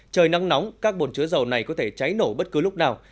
trời nắng nóng các bồn chứa dầu này có thể cháy nổ bất cứ lúc nào